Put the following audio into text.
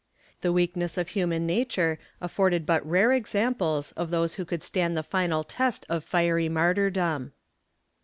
^ The weakness of human nature afforded but rare examples of those who could stand the final test of fiery martyrdom.